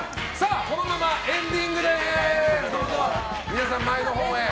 このままエンディングです。